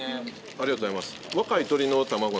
ありがとうございます。